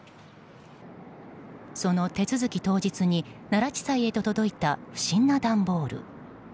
その手続き当日に奈良地裁へと届いた不審な段ボール。